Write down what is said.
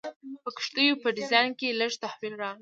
په کښتیو په ډیزاین کې لږ تحول راغی.